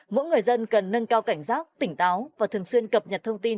mỗi người dân cần nâng cao cảnh giác tỉnh táo và thường xuyên cập nhật thông tin